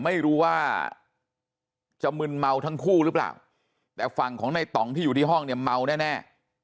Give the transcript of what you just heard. ไม่รู้ว่าจะมึนเมาทั้งคู่หรือเปล่าแต่ฝั่งของในต่องที่อยู่ที่ห้องเนี่ยเมาแน่